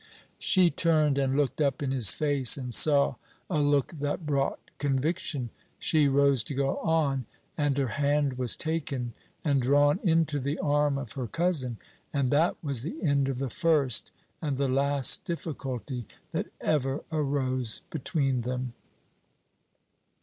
She turned and looked up in his face, and saw a look that brought conviction. She rose to go on, and her hand was taken and drawn into the arm of her cousin, and that was the end of the first and the last difficulty that ever arose between them.